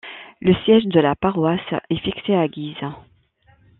Le siège de la paroisse est fixé à Guise.